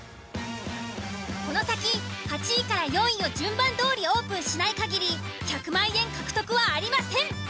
この先８位４位を順番どおりオープンしない限り１００万円獲得はありません。